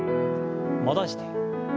戻して。